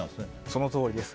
そのとおりです。